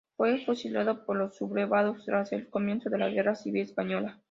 Fue fusilado por los sublevados tras el comienzo de la Guerra civil española.